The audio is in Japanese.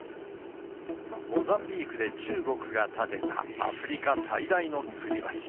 モザンビークで中国が建てたアフリカ最大のつり橋。